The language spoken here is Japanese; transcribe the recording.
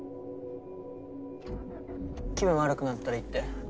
気分悪くなったら言って。